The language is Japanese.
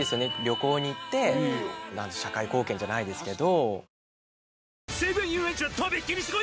旅行に行って社会貢献じゃないですけど。